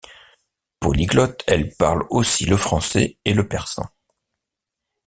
Polyglotte, elle parle aussi le français et le persan.